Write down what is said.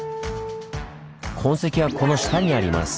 痕跡はこの下にあります。